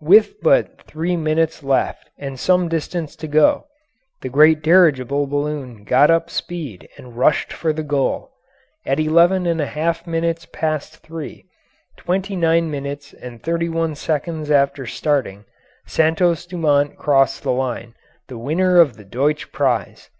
With but three minutes left and some distance to go, the great dirigible balloon got up speed and rushed for the goal. At eleven and a half minutes past three, twenty nine minutes and thirty one seconds after starting, Santos Dumont crossed the line, the winner of the Deutsch Prize.